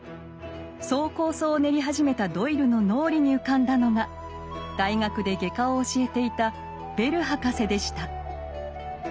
そう構想を練り始めたドイルの脳裏に浮かんだのが大学で外科を教えていたベル博士でした。